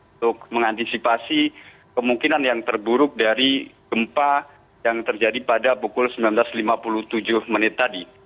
untuk mengantisipasi kemungkinan yang terburuk dari gempa yang terjadi pada pukul sembilan belas lima puluh tujuh menit tadi